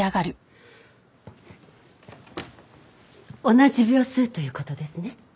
同じ秒数という事ですね？